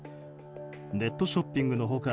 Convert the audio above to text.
ネットショッピングの他